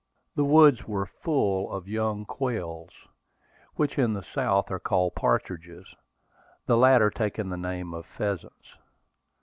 The woods were full of young quails, which in the South are called partridges, the latter taking the name of pheasants.